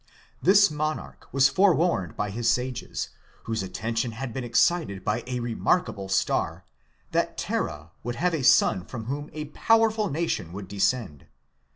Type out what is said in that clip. This monarch was forewarned by his sages, whose attention had been excited by a remarkable star, that Tharah would have a son from whom a powerful nation would descend.